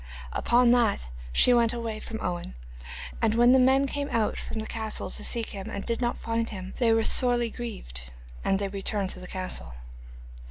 Upon that she went away from Owen, and when the men came out from the castle to seek him and did not find him they were sorely grieved, and they returned to the castle.